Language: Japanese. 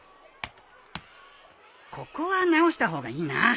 ここは直した方がいいな。